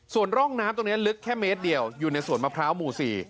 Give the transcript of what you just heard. ส่วนร่องน้ำตรงนี้ลึกแค่เมตรเดียวอยู่ในสวนมะพร้าวหมู่๔